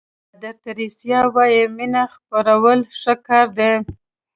مادر تریسیا وایي مینه خپرول ښه کار دی.